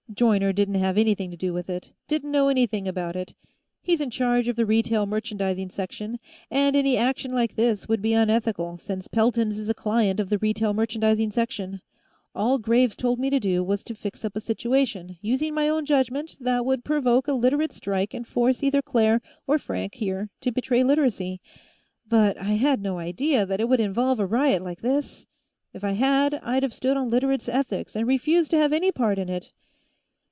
"Joyner didn't have anything to do with it; didn't know anything about it. He's in charge of the Retail Merchandising section, and any action like this would be unethical, since Pelton's is a client of the Retail Merchandising section. All Graves told me to do was fix up a situation, using my own judgment, that would provoke a Literate strike and force either Claire or Frank here to betray Literacy. But I had no idea that it would involve a riot like this. If I had, I'd have stood on Literates' ethics and refused to have any part in it."